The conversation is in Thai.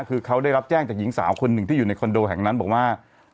คือเขาได้รับแจ้งจากหญิงสาวคนหนึ่งที่อยู่ในคอนโดแห่งนั้นบอกว่า